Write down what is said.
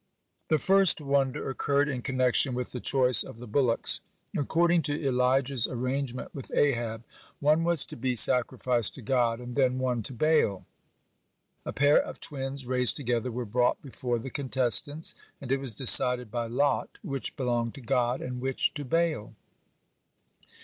(13) The first wonder occurred in connection with the choice of the bullocks. According to Elijah's arrangement with Ahab, one was to be sacrificed to God, and then one to Baal. A pair to twins, raised together, were brought before the contestants, and it was decided by lot which belonged to God and which to Baal.